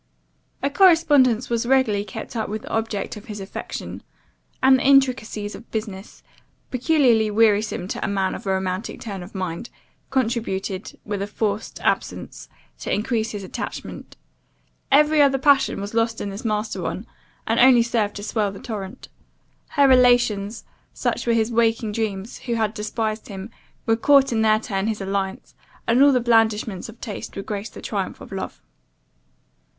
"A correspondence was regularly kept up with the object of his affection; and the intricacies of business, peculiarly wearisome to a man of a romantic turn of mind, contributed, with a forced absence, to increase his attachment. Every other passion was lost in this master one, and only served to swell the torrent. Her relations, such were his waking dreams, who had despised him, would court in their turn his alliance, and all the blandishments of taste would grace the triumph of love.